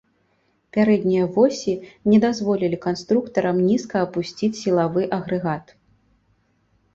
Пярэднія восі не дазволілі канструктарам нізка апусціць сілавы агрэгат.